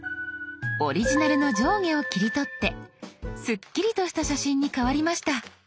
オリジナルの上下を切り取ってすっきりとした写真に変わりました。